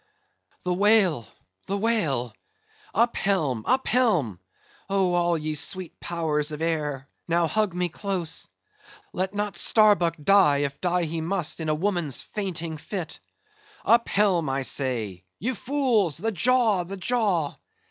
"The whale, the whale! Up helm, up helm! Oh, all ye sweet powers of air, now hug me close! Let not Starbuck die, if die he must, in a woman's fainting fit. Up helm, I say—ye fools, the jaw! the jaw!